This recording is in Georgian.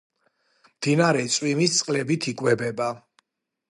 მდინარე წვიმის წყლებით იკვებება.